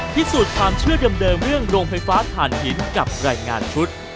ที่สุดทางเชื่อเดิมเดิมเรื่องโรงไฟฟ้าถ่านหินกับรายงานชุด